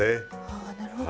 あなるほど。